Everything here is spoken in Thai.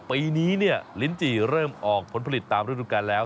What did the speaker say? ปีนี้เนี่ยลิมจีเริ่มออกผลผลิตตามรูปการณ์แล้ว